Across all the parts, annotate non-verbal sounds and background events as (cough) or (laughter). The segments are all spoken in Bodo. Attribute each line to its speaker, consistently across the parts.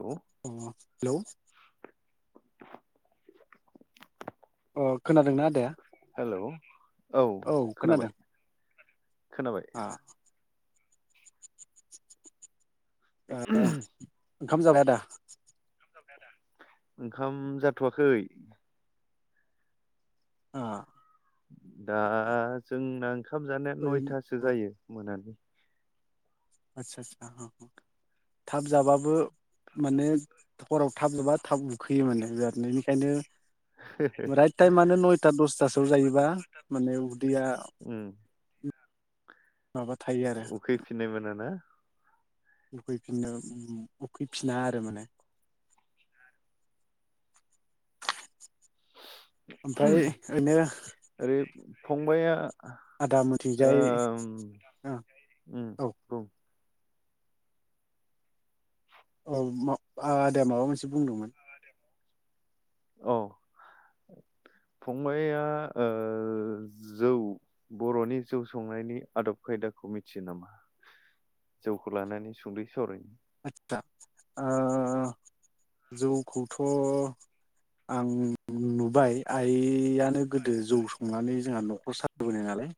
Speaker 1: औ
Speaker 2: अ हेलौ अ खोनादोंना आदाया
Speaker 1: हेलौ औ खोनाबाय खोनाबाय
Speaker 2: अ आ आ ओंखाम जाबाय आदा
Speaker 1: (unintelligible) आदा ओंखाम जाथवाखै
Speaker 2: अ
Speaker 1: दा जोंना ओंखाम जानाया
Speaker 2: ओरैनो
Speaker 1: नयथासो
Speaker 2: उम
Speaker 1: जायो मोनानि
Speaker 2: आदसा आदसा हम हम थाब जाबाबो माने हराव थाब जाबा थाब उखैयो माने बेनिखायनो राइट टाइमानो नयथा दसथासोआव जायोबा माने उदैया
Speaker 1: उम
Speaker 2: माबा थायो आरो
Speaker 1: उखैफिननाय मोनो ना
Speaker 2: उखैफिननो उखैफिना आरो माने (unintelligible) ओमफ्राय ओनो
Speaker 1: फंबाइया
Speaker 2: आदा मथेजाय ओ
Speaker 1: उम
Speaker 2: औ
Speaker 1: बुं
Speaker 2: औ (unintelligible) आदाया माबा मोनसे बुंदोंमोन
Speaker 1: औ फंबाइया ओ जौ बरनि जौ संनायनि आदब खायदाखौ मिथियो नामा जौखौ लानानै सुंदयै सावराय
Speaker 2: आदसा ओ जौखौथ आं नुबाय आइयानो गोदो जौ संनानै जोंहा न (unintelligible) नालाय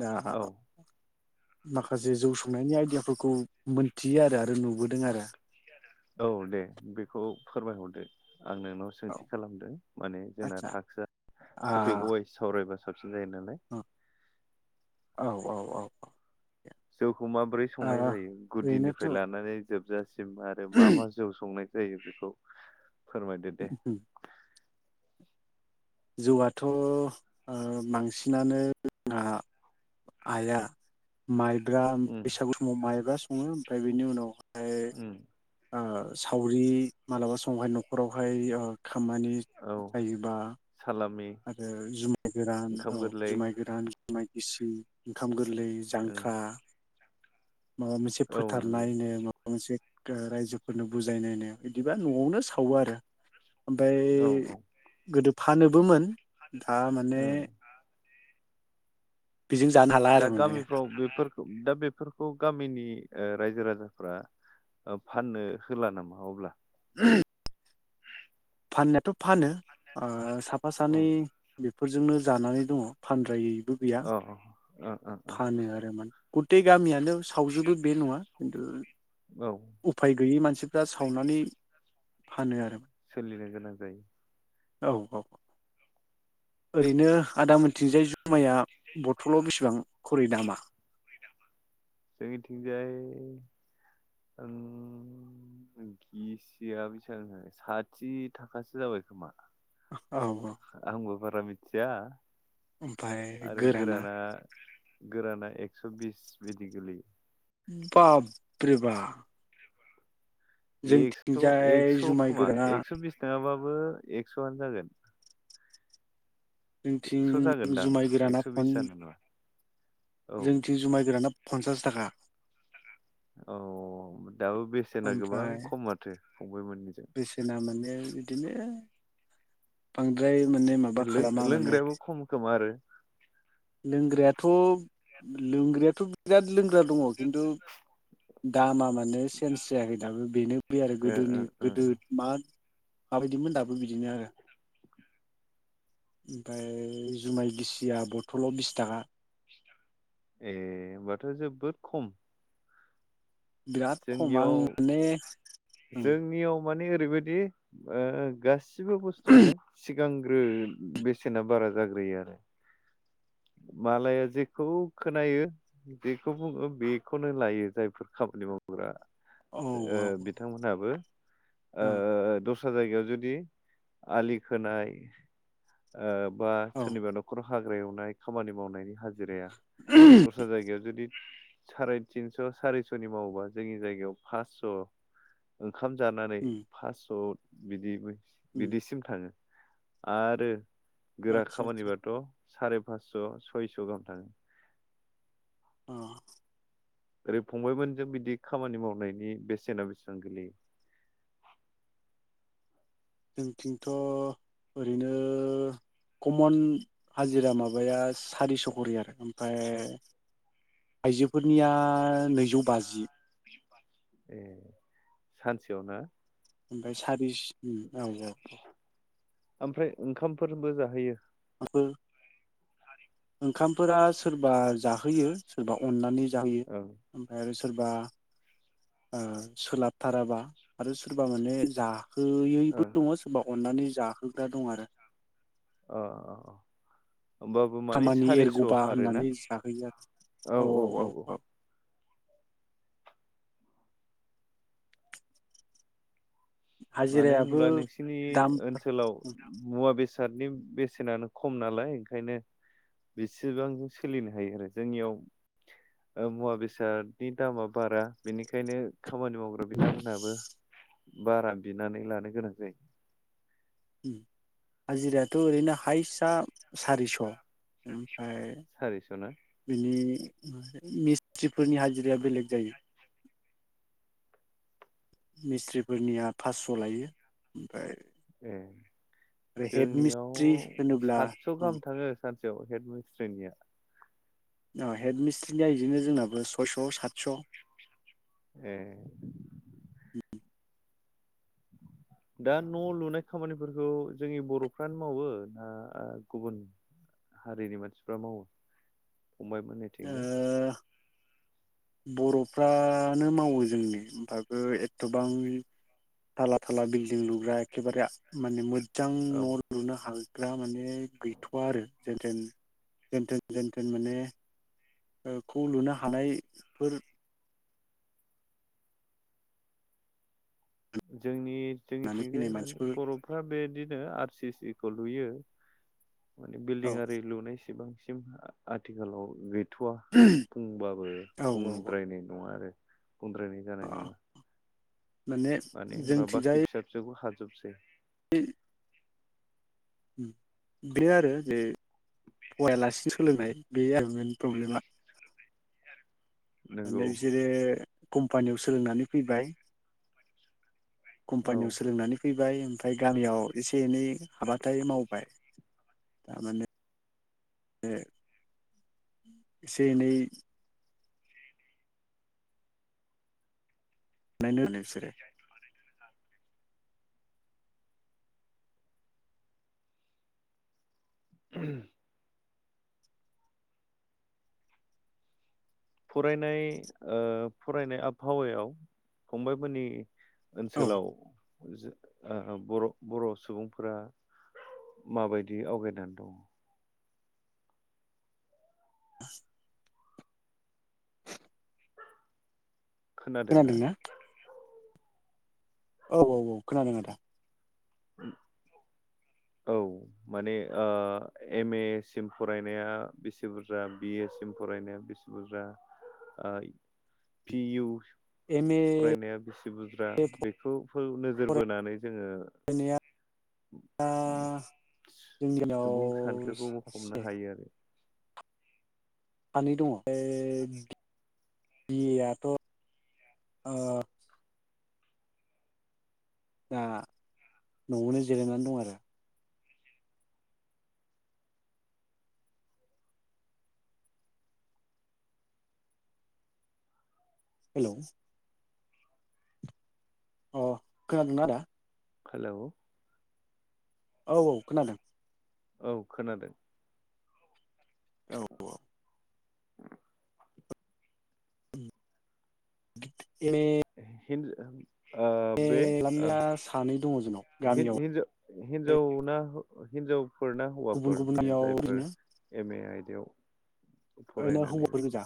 Speaker 2: दा
Speaker 1: औ
Speaker 2: माखासे जौ संनायनि आइडियाफोरखौ मोनथियो आरो आरो नुबोदों आरो
Speaker 1: औ दे बेखौ फोरमायहरदो आं नोंनाव
Speaker 2: औ
Speaker 1: सोंथि खालामदों माने जोंना
Speaker 2: आदसा
Speaker 1: टाकस्आ टपिक
Speaker 2: औ
Speaker 1: वाइस सावरायबासो (unintelligible)
Speaker 2: (unintelligible)
Speaker 1: जौ खौ माबोरै संनाय जायो
Speaker 2: ओरैनोथ'
Speaker 1: गुदिनिफ्राय लानानै जोबजासे सिम आरो मा मा जौ संनाय जायो बेखौ फोरमायदो दे
Speaker 2: जौआथ ओ बांसिनानो जोंहा आइया माइ (unintelligible)
Speaker 1: उम
Speaker 2: बैसागु समाव माइब्रा सङो प्राय बेनि उनाव
Speaker 1: उम
Speaker 2: (unintelligible) आ सावरि मालाबा समावहाय नखरावहा (unintelligible) ओ खामानि
Speaker 1: औ
Speaker 2: जायोबा
Speaker 1: सालामि
Speaker 2: आरो जुमाय गोरान
Speaker 1: ओंखाम
Speaker 2: औ
Speaker 1: गोरलै
Speaker 2: जुमाय गोरान माइ गिसि ओंखाम गोर गोलै
Speaker 1: ओं
Speaker 2: जांख्रा माबा मोनसे
Speaker 1: औ नंगौ
Speaker 2: फोथारनायनो मोनसे रायजोफोरनो बुजायनायनायाव इदिबा नआवनो सावो आरो ओमफ्राय
Speaker 1: औ औ
Speaker 2: गोदो फानोबोमोन दा माने
Speaker 1: उम
Speaker 2: बेजों जानो हाला
Speaker 1: दा
Speaker 2: आरो माने
Speaker 1: गामिफ्राव बेफोरखौ दा बेफोरखौ गामिनि रायजो राजाफ्रा फाननो होला नामा अब्ला
Speaker 2: (unintelligible) फाननायाथ फानो ओ साफा सानै
Speaker 1: उम
Speaker 2: बे बेफोरजोंनो जानानै दङ फानद्रायै दुबिया
Speaker 1: अ ओ
Speaker 2: फानो आरो मोन गुते गामियानो सावजोबो बे नङा खिन्थु
Speaker 1: ओ औ
Speaker 2: उफाय गैयै मानसि खाथिबा सावनानै फानो आरो
Speaker 1: सोलिनो गोनां जायो
Speaker 2: औ औ ओरैनो आदामोन थिंजाय जुमाया बथलाव बेसेबां खरि दामा
Speaker 1: जोंनि थिंजाय ओ गिसिया बेसेबां जानो साथि थाखासो जाबाय खोमा
Speaker 2: औ
Speaker 1: आंबो बारा मिथिया
Speaker 2: ओमफ्राय गोराना
Speaker 1: गोराना एकस बिस बिदि गोलैयो
Speaker 2: बाब्रेबा
Speaker 1: एक्स'
Speaker 2: जोंथिंजाय
Speaker 1: एक्स'
Speaker 2: जुमाय
Speaker 1: खोमा
Speaker 2: गोराना
Speaker 1: एक्स' बिस नङाबाबो एकसआनो जागोन एक्स'
Speaker 2: जोंथिं
Speaker 1: जागोनदां
Speaker 2: जुमाय गोराना
Speaker 1: एक्स' बिस
Speaker 2: फन
Speaker 1: जानाय नङा औ
Speaker 2: जोंथि जुमाय गोराना फन्सास थाखा
Speaker 1: औ दाबो बेसेना गोबां
Speaker 2: ओमफ्राय
Speaker 1: खम माथो फंबाय मोननिजों
Speaker 2: बेसेना माने बिदिनो बांद ओफ्राय माने माबा
Speaker 1: लों-
Speaker 2: खालामा माने
Speaker 1: लोंग्रायाबो खम खोमा आरो
Speaker 2: लोंग्रायाथ लोंग्रायाथ बिराद लों ग्रा दङ खिन्थु दामा मो नो चेन्ज जायाखै दाबो बेनो बे आरो
Speaker 1: ओ ओ
Speaker 2: गोदोनि
Speaker 1: ओ
Speaker 2: गोदो मा माबायदिमोन दाबो बिदिनो आरो ओमफ्राय जुमाय गिसिया बर बथलाव बिस थाखा
Speaker 1: ए होनबाथ जोबोद खम
Speaker 2: बिराद खम आं
Speaker 1: जोंनियाव
Speaker 2: माने उम
Speaker 1: मानि ओरैबायदि ओ गासि सैबो बस्थुआनो सि सिगांग्रो बेसेना बारा जाग्रोयो आरो मालाया जेखौ खोनायो जेखौ बुङो बेखौनो लायो जायफोर खामानि मावग्रा
Speaker 2: औ
Speaker 1: ओ बिथांमोनाबो ओ दस्रा दस्रा जायगायाव जुदि आलि खोनाय ओ बा
Speaker 2: औ
Speaker 1: सोरनिबा नखराव हाग्रा एवनाय खामानि मावनायनि हा जिराया दस्रा जायगायाव जुदि (unintelligible) साराय तिनस सारिसनि मावोबा जोंनि जायगायाव फासस ओंखाम जानानै पासस बिदिबो बिदिसिम थाङो आरो गोरा
Speaker 2: आदसा आदसा
Speaker 1: खामानिबाथ साराय फासस सयस गाहाम थाङो
Speaker 2: अ
Speaker 1: ओरै फंबायमोनिजों बिदि खामानि मावनायनि बेसेना बेसेबां गोलैयो
Speaker 2: जोंथिंथ ओरैनो कमन हाजिरा माबाया सारिस करि आरो ओमफ्राय आइजोफोरनिया नैजौ बाजि
Speaker 1: ए सानसेयाव ना
Speaker 2: ओमफ्राय सारिस उम औ औ औ
Speaker 1: आमफ्राय ओंखामफोरबो जाहोयो
Speaker 2: (unintelligible) ओंखामफोरा सोरबा जाहोयो सोरबा अननानै जाहोयो
Speaker 1: ओं
Speaker 2: ओमफ्राय सोरबा ओ सोलाबथाराबा आरो सोरबा माने जा होयैबो
Speaker 1: ओं
Speaker 2: दङ सोरबाव अननानै जाहोग्रा दं आरो
Speaker 1: अ अ अ होमबाबो माने
Speaker 2: खामानि
Speaker 1: सारिस'
Speaker 2: एरगौबा
Speaker 1: आरोना
Speaker 2: होननानै जाहोयो आरो औ औ औ औ
Speaker 1: मानो
Speaker 2: हाजिरायाबो
Speaker 1: होनब्ला नोंसिनि
Speaker 2: दाम
Speaker 1: ओनसोलाव मुवा बेस बेसादनि बेसेनानो खम नालाय ओंखायनो बेसेबां सोलिनो हायो आरो जोंनियाव मुवा बेसादनि दामा बारा बेनिखायनो खामानि मावग्रा बिथांमोनहाबो बारा बिनानै लानो गोनां जायो
Speaker 2: ओम हाजिरायाथ ओरैनो हायस्टआ सारिस ओम ओमफाय
Speaker 1: सारिस' ना
Speaker 2: बिनि (unintelligible) मिसथ्रि फोरनि हाजिराया बेलेग जायो मिस्थ्रिफोरनिया फासस लायो ओमफाय
Speaker 1: ए जोंनियाव
Speaker 2: मिस्ट्रि होनोब्ला
Speaker 1: सातस गाहाम थाङो सात हेद मिस्ट्रिनिया
Speaker 2: अ हेड मिस्ट्रिनिया इदिनो जोंनाबो सयस सातस
Speaker 1: ए दा न लुनाय खामानिफोरखौ जोंनि बरफ्रानो मावो ना गुबुन हारिनि मानसिफ्रा मावो फंबाइमोननि थिंजाय
Speaker 2: ओ बरफ्रानो मावो जोंनि ओफाबो एथबां थाला थाला बिल्डिं लुग्रा एखेबारे माने मो मोजां
Speaker 1: औ
Speaker 2: न लुनो हाग ग्रा माने गैथवा आरो जेनथेन जेनथेन जेनथेन माने खौ लुनो हानाय फोर
Speaker 1: जोंनि
Speaker 2: होननानै
Speaker 1: जोंनिथिंजाय
Speaker 2: फैनाय
Speaker 1: माने
Speaker 2: मानसिफोर
Speaker 1: बरफ्रा बेदिनो आर सि सि खौ लुयो माने बिल्डिं
Speaker 2: औ
Speaker 1: आरि लुनायसिबां सिम आथिखालाव गै थआ बुंबाबो
Speaker 2: औ औ औ
Speaker 1: बुंद्रायनाय नङा आरो बुंद्रायनाय जानाय
Speaker 2: अ
Speaker 1: नङा माने होनबा
Speaker 2: जोंथिंजाय
Speaker 1: बाखि फिसा फिसौखौ हा जोबसै
Speaker 2: (unintelligible) उम बे आरो जे फवायालासिनो सोलोंनाय बे आरो मेइन प्रब्लेमा माने
Speaker 1: नंगौ
Speaker 2: बिसोरो कम्पानियाव सोलोंनानै फैबाय
Speaker 1: औ
Speaker 2: कम्पानियाव सोलोंनानै फै बाय ओम ओमफाय गामियाव एसे एनै हाबाथाय मावबाय थारमाने ए एसे एनै (unintelligible) बिसोरो
Speaker 1: (unintelligible) फरायनाय ओ फरायनाय आबहावायाव फंबाइमोनि
Speaker 2: औ
Speaker 1: ओनसोलाव जो ओ बर बर सुबुंफोरा माबायदि आवगायनानै दङ
Speaker 2: (inaudible) (unintelligible)
Speaker 1: खोनादोंना
Speaker 2: औ औ औ खोनादों आदा
Speaker 1: (inaudible) औ माने ओ एम ए सिम फरायनाया बेसे बुरजा बि ए सिम फरायनाया बेसे बुरजा ओ पि इउ
Speaker 2: एम ए
Speaker 1: फरायनाया बेसे बुद्रा बेखौ खौ नोजोर बोनानै जोङो
Speaker 2: फरायनाया
Speaker 1: (unintelligible)
Speaker 2: जोंनि
Speaker 1: सुबुं
Speaker 2: गामियाव
Speaker 1: सानखोखौ हमनो
Speaker 2: सासे
Speaker 1: हायो आरो
Speaker 2: सानै दङ फाय बि बि ए आथ ओ दा नआवनो जिरायनानै दं आरो हेलौ अ खोनादोंना आदा
Speaker 1: हेलौ
Speaker 2: औ औ खोनादों
Speaker 1: औ खोनादों
Speaker 2: औ औ
Speaker 1: (inaudible)
Speaker 2: उम (unintelligible)
Speaker 1: हिनज ओम ओ बे ओ
Speaker 2: सानै दङ जोंनाव गामियाव
Speaker 1: हिन-हिन-हिन्जावना हौ अ हिनजाव फोर ना
Speaker 2: गुबुन
Speaker 1: हौवाफोर बे
Speaker 2: गुबुननियाव
Speaker 1: जायफोर
Speaker 2: ओरैनो
Speaker 1: एम ए आय बेयाव
Speaker 2: ओरैनो हौवाफोर गोजा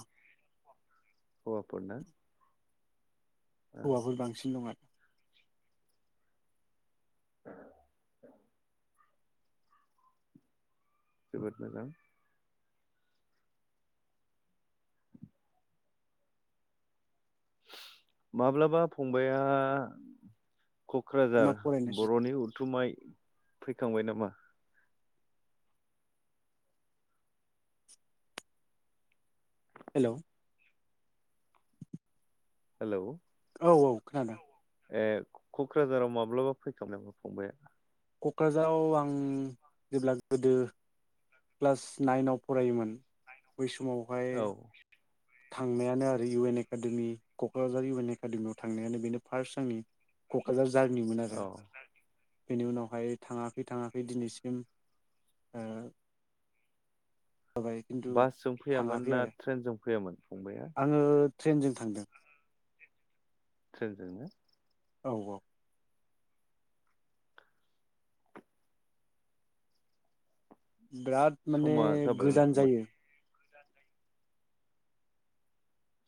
Speaker 1: हौवाफोर ना
Speaker 2: हौवाफोर बांसिन दं आरो
Speaker 1: जोबोद मोजां माब्लाबा फंबाइया
Speaker 2: मा
Speaker 1: कक्राझार
Speaker 2: फरायनायसो
Speaker 1: बरनि उथुमाय फै खांबाय नामा
Speaker 2: हेलौ
Speaker 1: हेलौ
Speaker 2: औ औ खोनादों
Speaker 1: ए कक्राझाराव माब्लाबा फैखांबाय नामा फंबाइया
Speaker 2: कक्राझाराव आं जेब्ला गोदो क्लास नाइनाव फरायोमोन बै स
Speaker 1: औ
Speaker 2: थांनायानो आरो U N academy Kokrajhar U N एकाडेमियाव थांनायानो बेनो फार्स्ट आंनि कक्राझार जि जारनिमोन आरो
Speaker 1: औ
Speaker 2: बेनि उनावहाय थाङाखै थाङाखै दिनैसिम ओ जाबाय खिन्थु
Speaker 1: बासजों फैयामोन
Speaker 2: थाङाखै
Speaker 1: ना
Speaker 2: आरो
Speaker 1: ट्रेनजों फैयामोन फंबाइया
Speaker 2: आङो ट्रेनजों थांदों
Speaker 1: ट्रेनजोंनो
Speaker 2: औ औ बिराद माने
Speaker 1: समा जाबायमोन
Speaker 2: गोजान
Speaker 1: फंबाय
Speaker 2: जायो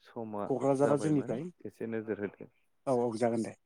Speaker 1: समा
Speaker 2: क'क्राझारा
Speaker 1: जाबायमोन
Speaker 2: जोंनिफ्राय
Speaker 1: एसे नोजोर होदो
Speaker 2: औ औ जागोन दे